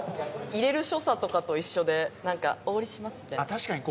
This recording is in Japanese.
入れる所作とかと一緒でなんか「お折りします」みたいな。